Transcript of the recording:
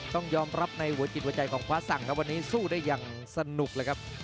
ต้องยอมรับในหัวจิตหัวใจของฟ้าสั่งครับวันนี้สู้ได้อย่างสนุกเลยครับ